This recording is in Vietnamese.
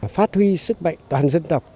phát huy sức mạnh toàn dân tộc